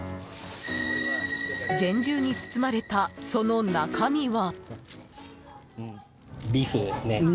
厳重に包まれた、その中身は。